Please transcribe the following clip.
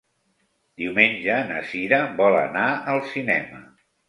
Diumenge na Sira vol anar al cinema.